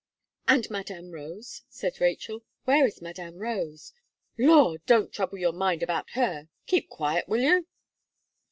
"And Madame Rose," said Rachel, "where is Madame Rose?" "Law! don't trouble your mind about her. Keep quiet, will you?"